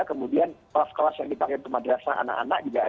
kemudian kelas kelas yang dipakai untuk madrasah anak anak juga